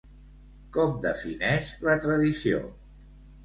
Com defineix la tradició?